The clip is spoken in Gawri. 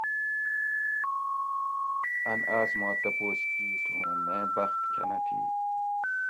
ان آس ماں تپوس کیت ھوں میں بخت کھۤنہ تھی